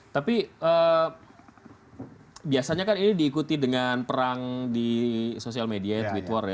tapi biasanya kan ini diikuti dengan perang di sosial media di twitter ya